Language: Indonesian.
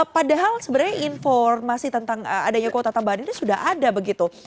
padahal sebenarnya informasi tentang adanya kuota tambahan ini sudah ada begitu